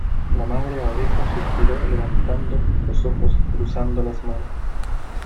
la Madre Abadesa suspiró levantando los ojos y cruzando las manos: